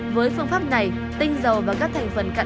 với phương pháp này tinh dầu và các thành phần cặn bã vẫn còn